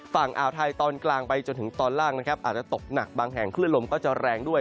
ฝั่งอ่าวไทยตอนกลางไปจนถึงตอนล่างนะครับอาจจะตกหนักบางแห่งคลื่นลมก็จะแรงด้วย